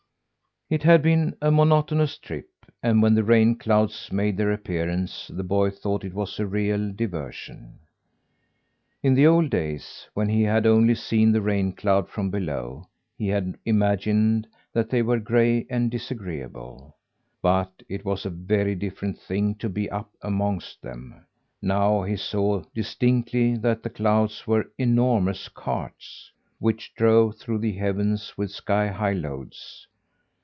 It had been a monotonous trip, and when the rain clouds made their appearance the boy thought it was a real diversion. In the old days, when he had only seen a rain cloud from below, he had imagined that they were gray and disagreeable; but it was a very different thing to be up amongst them. Now he saw distinctly that the clouds were enormous carts, which drove through the heavens with sky high loads.